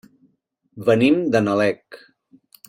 Venim de Nalec.